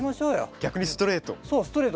逆にストレート。